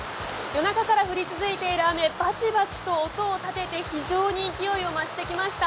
夜中から降り続いている雨、バチバチと音を立てて非常に勢いを増してきました。